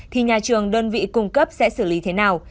thì nhà trường đơn vị cung cấp sẽ xử lý thế nào